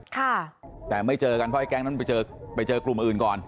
ค่ะแต่ไม่เจอกันเพราะไอแก๊งนั้นไปเจอไปเจอกลุ่มอื่นก่อน